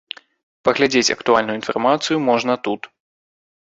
Паглядзець актуальную інфармацыю можна тут.